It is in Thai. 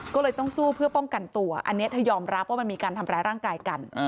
ก็เลยต้องสู้เพื่อป้องกันตัวอันนี้เธอยอมรับว่ามันมีการทำร้ายร่างกายกัน